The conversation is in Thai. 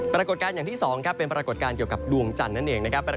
ปรากฏการณ์อย่างที่๒ครับเป็นปรากฏการณ์เกี่ยวกับดวงจันทร์นั่นเองนะครับ